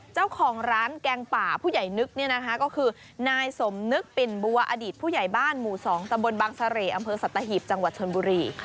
เจ้าของร้านแกงป่าผู้ใหญ่นึกก็คือนายสมนึกปิ่นบัวอดีตผู้ใหญ่บ้านหมู่๒ตำบลบางเสร่อำเภอสัตหีบจังหวัดชนบุรี